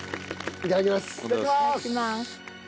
いただきます。